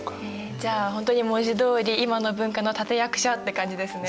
じゃあほんとに文字どおり今の文化の立て役者って感じですね。